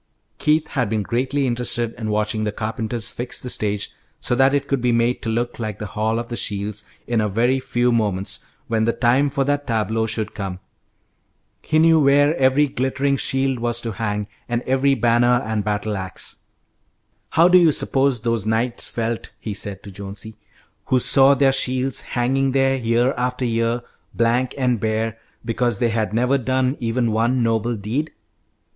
Keith had been greatly interested in watching the carpenters fix the stage so that it could be made to look like the Hall of the Shields in a very few moments, when the time for that tableau should come. He knew where every glittering shield was to hang, and every banner and battle axe. "How do you suppose those knights felt," he said to Jonesy, "who saw their shields hanging there year after year, blank and bare, because they had never done even one noble deed?